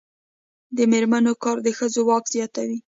د میرمنو کار د ښځو واک زیاتوي.